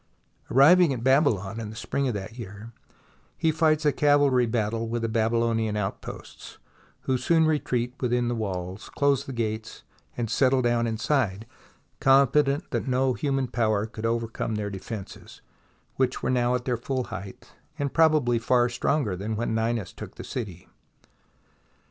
Arriving at Babylon in the spring of the year, he fights a cavalry battle with the Babylonian out posts, who soon retreat within the walls, close the gates, and settle down inside, confident that no human power could overcome their defences, which were now at their full height, and probably far stronger than when Ninus took the city.